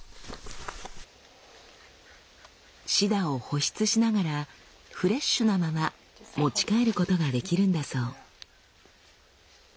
シダを保湿しながらフレッシュなまま持ち帰ることができるんだそう。